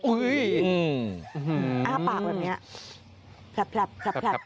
อื้อฮืออ้าวปากแบบนี้